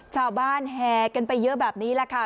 ชาวบ้านแห่กันไปเยอะแบบนี้แหละค่ะ